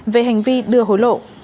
về hành vi đưa hối lộ